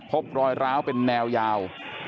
พบรอยร้าวเป็นแนวยาว